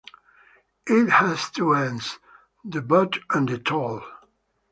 It has two ends: the butt and the "tail".